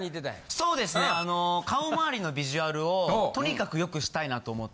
そうですねあの顔周りのビジュアルをとにかくよくしたいなと思って。